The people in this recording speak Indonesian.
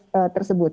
dalam nakas tersebut